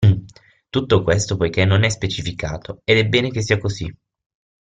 Tutto questo poiché non è specificato, ed è bene che sia così.